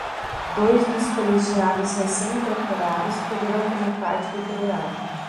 Dois dos colegiados recém-incorporados poderão fazer parte do Bureau.